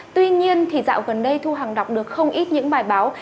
tuy nhiên thì dạo gần đây thu hằng đọc được không ít những bài báo